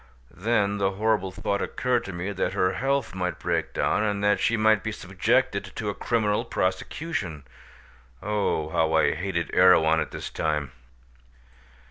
Then the horrible thought occurred to me that her health might break down, and that she might be subjected to a criminal prosecution. Oh! how I hated Erewhon at that time.